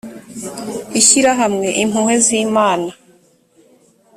ishyirahamwe impuhwe z imana